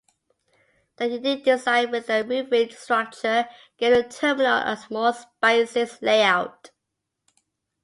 The unique design with the roofing structure gave the terminal a more spacious layout.